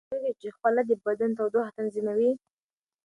ایا تاسو پوهیږئ چې خوله د بدن تودوخه تنظیموي؟